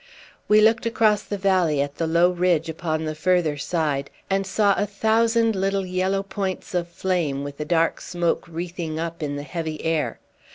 We looked across the valley at the low ridge upon the further side, and saw a thousand little yellow points of flame with the dark smoke wreathing up in the heavy air.